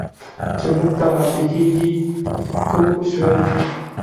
چې موږ ته را پېښېږي پوه شوې!.